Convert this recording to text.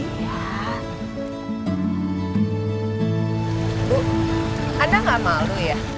bu anda gak malu ya